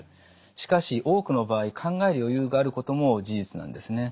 しかし多くの場合考える余裕があることも事実なんですね。